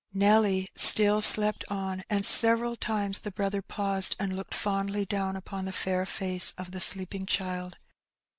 Nelly still slept on, and several times the brother paused and looked fondly down npon the fair Ekj© of the sleeping child.